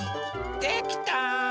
できた！